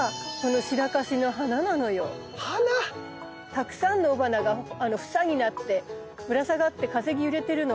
たくさんの雄花が房になってぶら下がって風に揺れてるの。